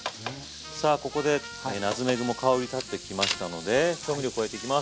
さあここでナツメグも香り立ってきましたので調味料を加えていきます。